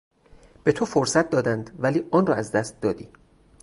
به تو فرصت دادند ولی آن را از دست دادی.